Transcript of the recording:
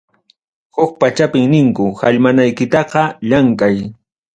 Huk pachapim ninku, hallmanaykitaqa, llamkay.